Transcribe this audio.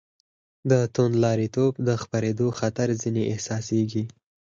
د توندلاریتوب د خپرېدو خطر ځنې احساسېږي.